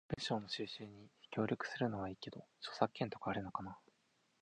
文章の収集に協力するのはいいけど、著作権とかあるのかな？